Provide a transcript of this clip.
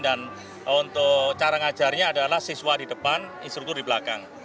dan untuk cara ngajarnya adalah siswa di depan instruktur di belakang